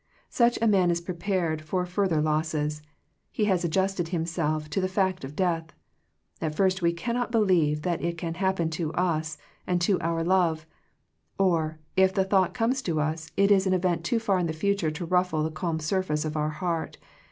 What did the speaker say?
Such a man is prepared for furthe losses; he has adjusted himself to the fact of death. At first, we cannot be lieve that it can happen to us and to oui love; or, if the thought comes to us, it is an event too far in the future to ruffle the calm surface of our heart.